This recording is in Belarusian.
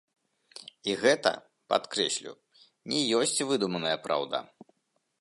І гэта, падкрэслю, не ёсць выдуманая праўда.